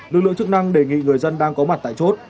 lực lượng chức năng đề nghị người dân đang có mặt tại chốt